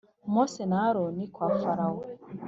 mose na aroni kwa farawo